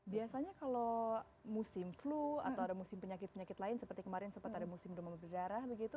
biasanya kalau musim flu atau ada musim penyakit penyakit lain seperti kemarin sempat ada musim demam berdarah begitu